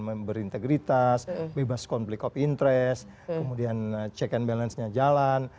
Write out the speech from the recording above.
berintegritas bebas konflik of interest kemudian check and balance nya jalan